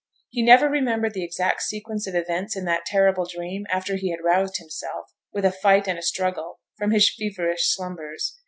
He never remembered the exact sequence of events in that terrible dream after he had roused himself, with a fight and a struggle, from his feverish slumbers.